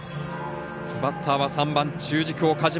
バッターは３番中軸、岡島。